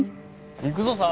行くぞ澤。